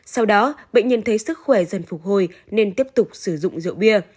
sau đó bệnh nhân thấy sức khỏe dần phục hồi nên tiếp tục sử dụng rượu bia